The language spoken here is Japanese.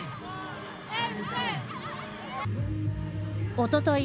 おととい